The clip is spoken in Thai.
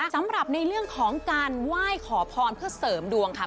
สำหรับในเรื่องของการไหว้ขอพรเพื่อเสริมดวงค่ะ